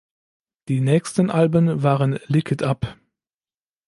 Die nächsten Alben waren "Lick It Up!